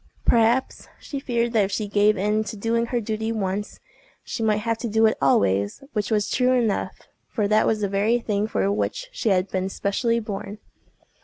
Perhaps she feared that if she gave in to doing her duty once, she might have to do it always—which was true enough—for that was the very thing for which she had been specially born.